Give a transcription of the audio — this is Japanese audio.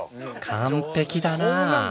完璧だなあ。